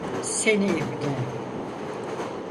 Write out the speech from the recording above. Seni ibne!